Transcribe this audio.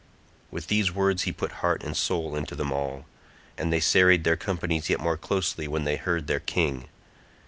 With these words he put heart and soul into them all, and they serried their companies yet more closely when they heard the words of their king.